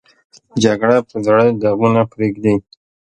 جګړه په زړه داغونه پرېږدي